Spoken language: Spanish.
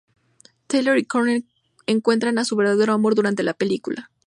Taylor y Courtney encuentran a su verdadero amor durante la película.